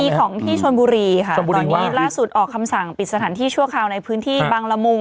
ของที่ชนบุรีค่ะตอนนี้ล่าสุดออกคำสั่งปิดสถานที่ชั่วคราวในพื้นที่บางละมุง